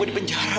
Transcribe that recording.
gue di penjara